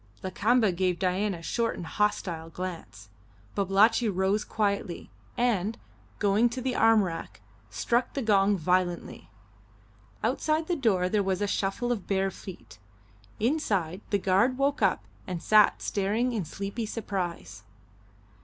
Lakamba gave Dain a short and hostile glance. Babalatchi rose quietly, and, going to the arm rack, struck the gong violently. Outside the door there was a shuffle of bare feet; inside, the guard woke up and sat staring in sleepy surprise.